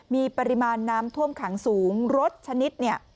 มีปริมาณน้ำท่วมขังสูงรถชนิดเนี่ย